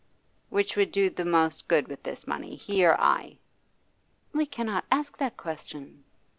'Which would do the most good with this money, he or I?' 'We cannot ask that question.